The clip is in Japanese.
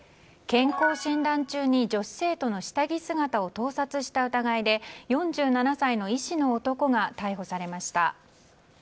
健康診断中に女子生徒の下着姿を盗撮した疑いで４７歳の医師の男が逮捕されました。